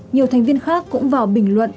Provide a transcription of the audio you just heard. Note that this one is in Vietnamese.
nhiều thành viên khác cũng vào bình luận